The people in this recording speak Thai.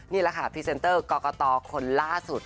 นี่แหละค่ะพรีเซนเตอร์กรกตคนล่าสุด